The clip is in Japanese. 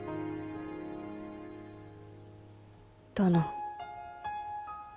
殿。